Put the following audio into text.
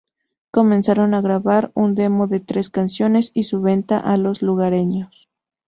Comenzaron a grabar un demo de tres canciones y su venta a los lugareños.